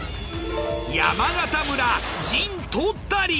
山形村陣取ったり。